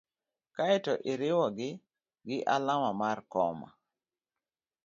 kae to iriwogi gi alama mar koma.